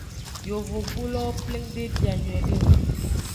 Yovogbulowo pleng de bia nyuiede o.